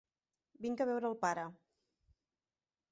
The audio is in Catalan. Vinc a veure el pare.